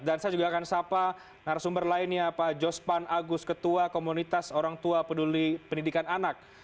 dan saya juga akan sapa narasumber lainnya pak jospan agus ketua komunitas orang tua peduli pendidikan anak